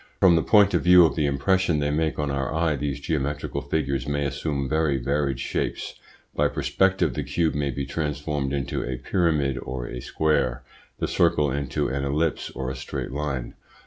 From the point of view of the impression they make on our eye these geometrical figures may assume very varied shapes. By perspective the cube may be transformed into a pyramid or a square, the circle into an ellipse or a straight line.